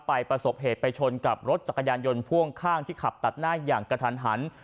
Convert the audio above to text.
ประสบเหตุไปชนกับรถจักรยานยนต์พ่วงข้างที่ขับตัดหน้าอย่างกระทันหัน